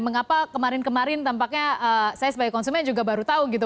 mengapa kemarin kemarin tampaknya saya sebagai konsumen juga baru tahu gitu